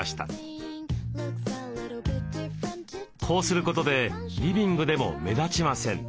こうすることでリビングでも目立ちません。